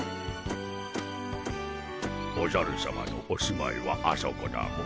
おじゃるさまのお住まいはあそこだモ。